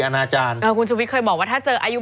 แล้วเขาก็ใช้วิธีการเหมือนกับในการ์ตูน